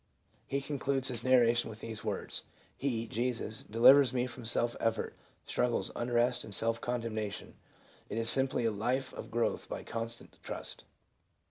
He concludes his narration with these words: " He [Jesus] delivers me from self effort, struggles, unrest and self condemnation ; it is simply a life of growth by constant trust."